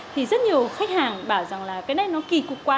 thì rất nhiều khách hàng bảo rằng là cái này nó kỳ cục quá